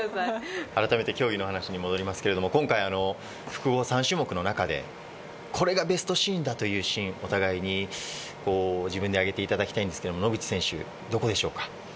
今回、複合３種目の中でこれがベストシーンだというシーンをお互いに自分で上げていただきたいんですが、野口選手はどこでしょうか？